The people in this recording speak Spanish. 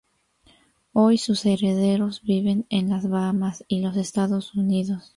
Hoy sus herederos viven en las Bahamas y los Estados Unidos.